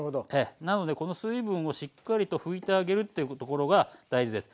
なのでこの水分をしっかりと拭いてあげるっていうところが大事です。